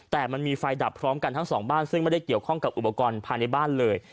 แต่มันมีไฟดับพร้อมกันทั้งสองบ้านซึ่งไม่ได้เกี่ยวข้องกับอุปกรณ์ภายในบ้านเลย